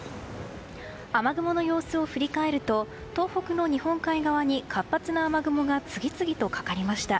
雨雲の様子を振り返ると東北の日本海側に活発な雨雲が次々とかかりました。